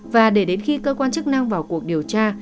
và để đến khi cơ quan chức năng vào cuộc điều tra